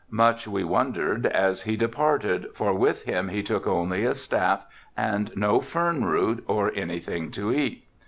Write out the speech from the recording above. Much we wondered as he departed, for with him he took only a staff and no fern root or anything to eat.